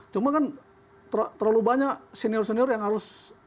cuma kan terlalu banyak senior senior yang harus